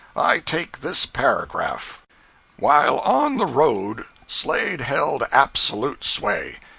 ]—I take this paragraph: "While on the road, Slade held absolute sway.